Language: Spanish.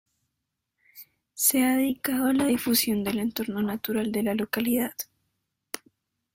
Se ha dedicado a la difusión del entorno natural de la localidad.